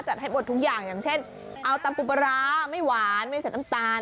ให้หมดทุกอย่างอย่างเช่นเอาตำปูปลาร้าไม่หวานไม่ใส่น้ำตาล